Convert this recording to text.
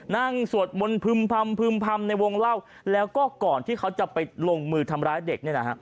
สวดมนต์พึ่มพำพึ่มพำในวงเล่าแล้วก็ก่อนที่เขาจะไปลงมือทำร้ายเด็กเนี่ยนะฮะ